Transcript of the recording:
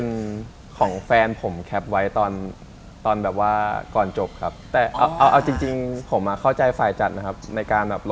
ในการแบบลบไลฟ์มันเป็นอย่างไร